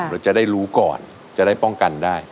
เราจะได้รู้ก่อนจะได้ป้องกันได้